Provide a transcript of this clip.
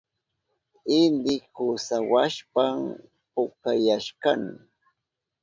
Inti kusawashpan pukayashkani.